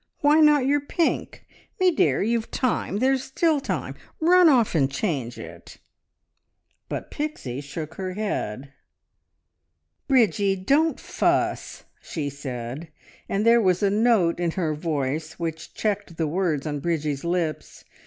Why not your pink? Me dear, you've time. ... There's still time. ... Run off and change it!" But Pixie shook her head. "Bridgie, don't fuss!" she said, and there was a note in her voice which checked the words on Bridgie's lips.